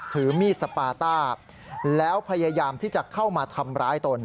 ถือมีดสปาต้าแล้วพยายามที่จะเข้ามาทำร้ายตน